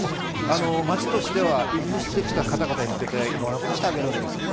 町としては移住してきた方々に向けて、いろんなことをしてあげるわけですよね。